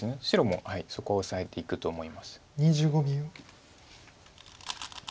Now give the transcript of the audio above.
白もそこをオサえていくと思います。